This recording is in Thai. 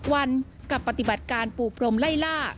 วันกับปฏิบัติการปูพรมไล่ล่า